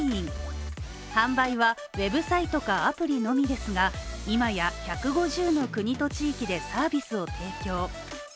販売はウェブサイトかアプリのみですが、今や１５０の国と地域でサービスを提供。